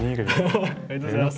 はははありがとうございます。